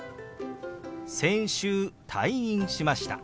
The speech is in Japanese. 「先週退院しました」。